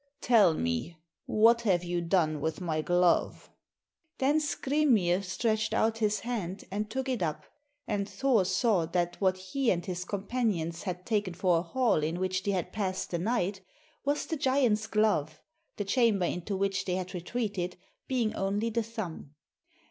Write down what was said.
Tell me, what have you done with my glove?" Then Skrymir stretched out his hand and took it up, and Thor saw that what he and his companions had taken for a hall in which they had passed the night, was the giant's glove, the chamber into which they had retreated being only the thumb.